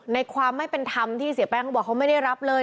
ในความไม่เป็นธรรมที่เสียแป้งเขาบอกเขาไม่ได้รับเลย